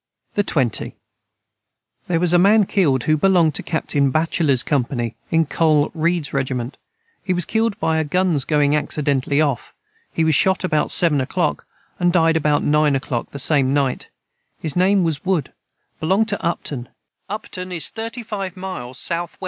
the 20. Their was a man killed who belonged to captain Bachelors company in Col Reeds Regiment he was killed by a guns going accidentely of, he was shot about Seven o clock and died about nine o clock the same night his name was Wood Belonged to upton he was about 24 or 25 years of age.